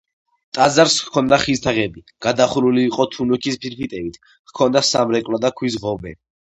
ტაძარს ჰქონდა ხის თაღები, გადახურული იყო თუნუქის ფირფიტებით, ჰქონდა სამრეკლო და ქვის ღობე.